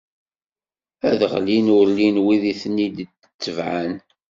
Ad ɣellin ur illi win i ten-id-itebɛen.